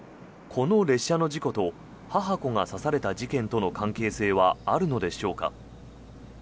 この列車の事故と母子が刺された事件との関係性はあるのでしょうか。